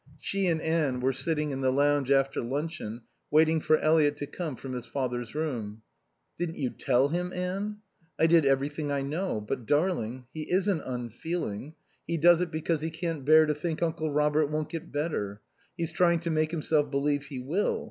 She and Anne were sitting in the lounge after luncheon, waiting for Eliot to come from his father's room. "Didn't you tell him, Anne?" "I did everything I know.... But darling, he isn't unfeeling. He does it because he can't bear to think Uncle Robert won't get better. He's trying to make himself believe he will.